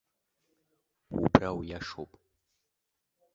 Убра уиашоуп.